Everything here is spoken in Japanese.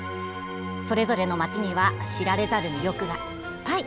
それぞれの街には知られざる魅力がいっぱい！